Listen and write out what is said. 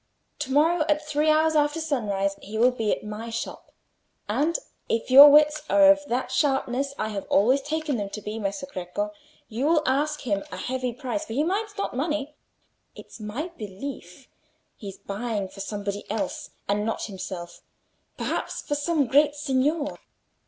"To morrow, at three hours after sunrise, he will be at my shop, and if your wits are of that sharpness I have always taken them to be, Messer Greco, you will ask him a heavy price; for he minds not money. It's my belief he's buying for somebody else, and not for himself—perhaps for some great signor."